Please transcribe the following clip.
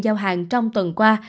giao hàng trong tuần qua